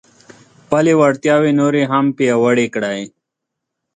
خپلې وړتیاوې نورې هم پیاوړې کړئ.